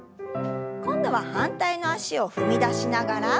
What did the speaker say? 今度は反対の脚を踏み出しながら。